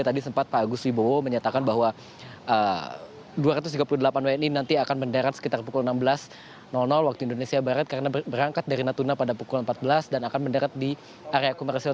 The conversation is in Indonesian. tadi sempat pak agus wibowo menyatakan bahwa dua ratus tiga puluh delapan wni nanti akan mendarat sekitar pukul enam belas waktu indonesia barat karena berangkat dari natuna pada pukul empat belas dan akan mendarat di area komersil